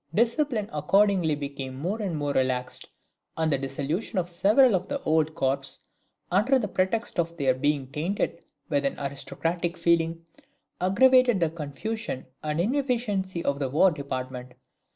Discipline accordingly became more and more relaxed; and the dissolution of several of the old corps, under the pretext of their being tainted with an aristocratic feeling, aggravated the confusion and inefficiency of the war department.